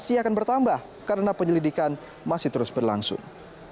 masih akan bertambah karena penyelidikan masih terus berlangsung